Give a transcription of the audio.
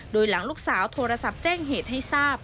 โดยหลังลูกสาวโทรศัพท์แจ้งเหตุให้ทราบ